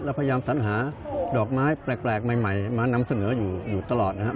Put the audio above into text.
พยายามสัญหาดอกไม้แปลกใหม่มานำเสนออยู่ตลอดนะครับ